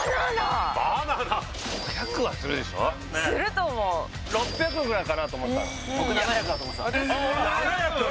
５００はするでしょすると思う６００ぐらいかなと思った僕７００だと思ってた・７００！